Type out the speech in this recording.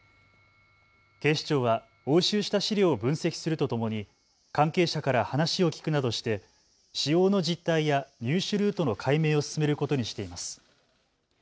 警視庁は押収した資料を分析するとともに関係者から話を聞くなどして使用の実態や入手ルートの解明を進めることにしています。